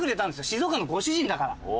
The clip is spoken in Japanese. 静岡のご主人だから。